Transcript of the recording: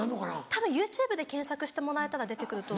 たぶんＹｏｕＴｕｂｅで検索してもらえたら出て来ると。